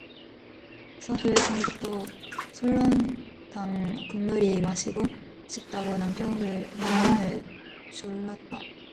사흘 전부터 설렁탕 국물이 마시고 싶다고 남편을 졸랐다.